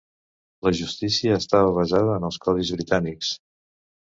La justícia estava basada en els codis britànics.